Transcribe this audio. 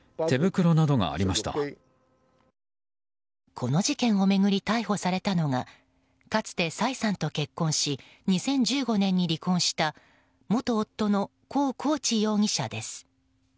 この事件を巡り逮捕されたのはかつてサイさんと結婚し２０１５年に離婚した元夫のコウ・コウチ容疑者です。